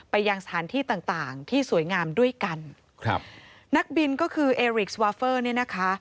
ไปยังสถานที่ต่างต่างที่สวยงามด้วยกันครับนักบินก็คือเอริกสวาเฟอร์เนี่ยนะคะ